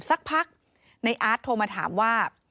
สักพักในอาร์ตโทรมาถามว่า